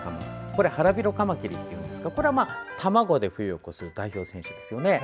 これはハラビロカマキリっていうんですがこれは、卵で冬を越す代表です。